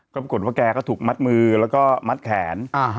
กดว่าแกเขาถูกมัดมือแล้วก็มัดแขน